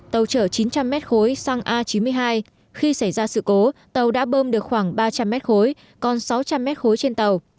tàu chở chín trăm linh mét khối sang a chín mươi hai khi xảy ra sự cố tàu đã bơm được khoảng ba trăm linh mét khối còn sáu trăm linh mét khối trên tàu